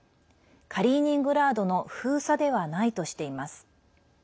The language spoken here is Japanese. カリーニングラードの封鎖ではないとしています。